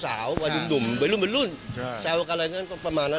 สาวดุ่มรุ่นแซวกันอะไรก็ประมาณนั้น